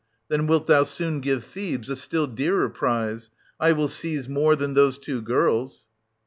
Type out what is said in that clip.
Then wilt thou soon give Thebes a still dearer prize :— I will seize more than those two girls.